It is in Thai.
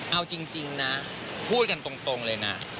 เอาจริงนะพูดกันตรงเลยนะ